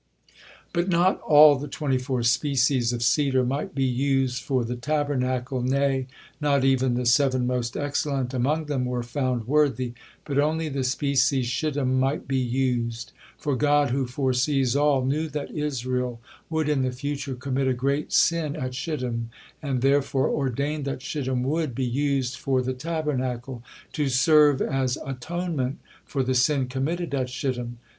But not all the twenty four species of cedar might be used for the Tabernacle, nay, not even the seven most excellent among them were found worthy, but only the species shittim might be used. For God, who foresees all, knew that Israel would in the future commit a great sin at Shittim, and therefore ordained that shittim wood be used for the Tabernacle to serve as atonement for the sin committed at Shittim.